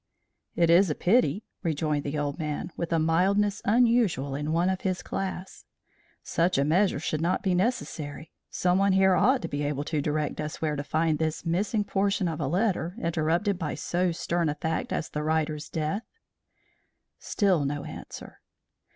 "It is a pity," rejoined the old man, with a mildness unusual in one of his class. "Such a measure should not be necessary. Someone here ought to be able to direct us where to find this missing portion of a letter interrupted by so stern a fact as the writer's death." Still no answer.